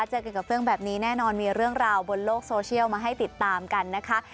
เจอเกี่ยวกับเรื่องแบบนี้แน่นอนมีเรื่องราวบนโลกโซเชียลมาให้ติดตามกันนะคะ